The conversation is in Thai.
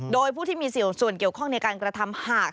โดยผู้ที่มีส่วนเกี่ยวข้องในการกระทำหาก